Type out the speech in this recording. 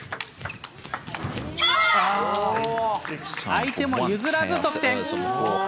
相手も譲らず得点。